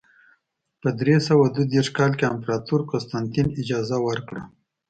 په درې سوه دوه دېرش کال کې امپراتور قسطنطین اجازه ورکړه.